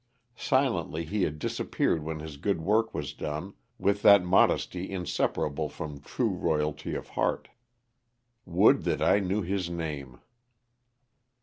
Silently he had disappeared when his good work was done, with that modesty inseparable from true royalty of heart. Would that I knew his name.